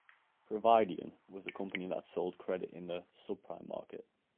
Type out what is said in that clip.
Providian was a company that sold credit in the "subprime" market.